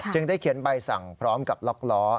ได้เขียนใบสั่งพร้อมกับล็อกล้อ